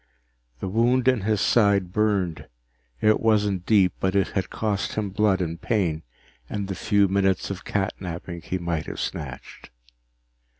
The wound in his side burned. It wasn't deep, but it had cost him blood and pain and the few minutes of catnapping he might have snatched.